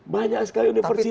banyak sekali universitas